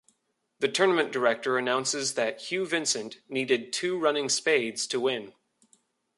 The tournament director announces that Hugh Vincent needed two running spades to win.